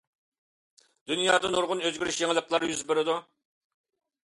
دۇنيادا نۇرغۇن ئۆزگىرىش، يېڭىلىقلار يۈز بېرىدۇ.